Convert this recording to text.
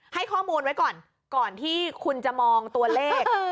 ให้ข้อมูลไว้ก่อนก่อนที่คุณจะมองตัวเลข